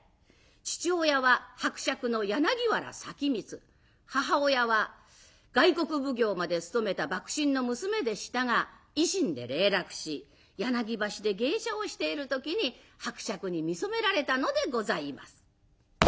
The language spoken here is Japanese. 父親は伯爵の柳原前光母親は外国奉行まで務めた幕臣の娘でしたが維新で零落し柳橋で芸者をしている時に伯爵に見初められたのでございます。